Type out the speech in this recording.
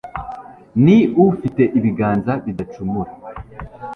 ni ufite ibiganza bidacumura